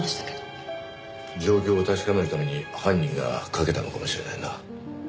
状況を確かめるために犯人がかけたのかもしれないな。